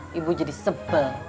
hah ibu jadi sebel